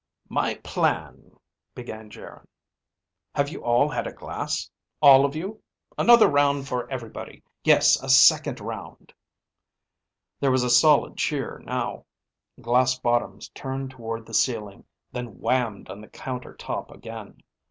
"My plan ..." began Geryn. "Have you all had a glass? All of you? Another round for everybody. Yes, a second round!" There was a solid cheer, now. Glass bottoms turned toward the ceiling, then whammed on the counter top again.